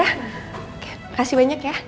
terima kasih banyak ya